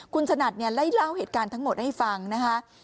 คุณฉนัดเล่าเหตุการณ์ทั้งหมดให้ฟังนะฮะ